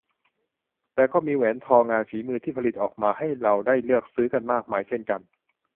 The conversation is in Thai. แต่ก็มีแหวนทองงานฝีมือที่ผลิตออกมาให้เราได้เลือกซื้อกันมากมายเช่นกัน